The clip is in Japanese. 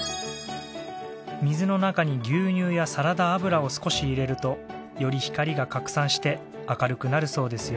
水の中に牛乳やサラダ油を少し入れるとより光が拡散して明るくなるそうですよ。